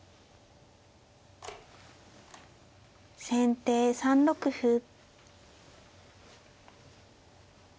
先手３六歩。